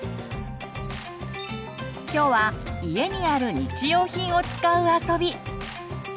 今日は家にある日用品を使う遊び。